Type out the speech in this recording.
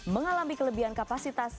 mengalami kelebihan kapasitas